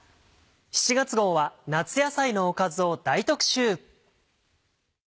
７月号は夏野菜のおかずを大特集！